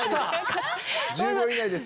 １０秒以内です。